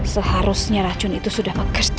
seharusnya racun itu sudah bekas